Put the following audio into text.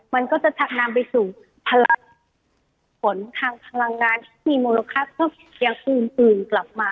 มันก็จะทักนำไปสู่ผลักษณ์ผลทางพลังงานที่มีมูลค่าเพื่อเปลี่ยงภูมิอื่นกลับมา